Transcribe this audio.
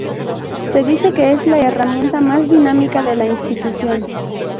Se dice que es la herramienta más dinámica de la institución.